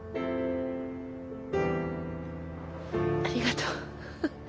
ありがとう。